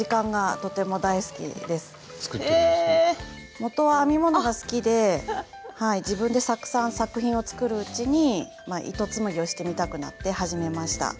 もとは編み物が好きで自分でたくさん作品を作るうちに糸紡ぎをしてみたくなって始めました。